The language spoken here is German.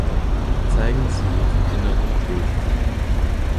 Zeigen Sie Ihren inneren Groove.